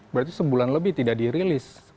berarti sebulan lebih tidak dirilis